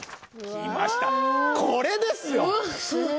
来ましたこれですよ！